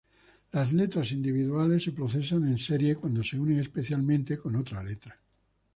Las letras individuales se procesan en serie cuando se unen espacialmente con otra letra.